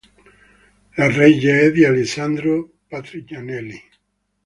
La regia è di Alessandro Patrignanelli.